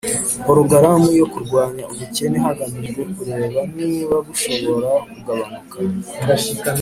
porogaramu yo kurwanya ubukene hagamijwe kureba niba bushobora kugabanuka